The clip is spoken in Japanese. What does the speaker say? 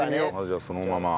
じゃあそのまま。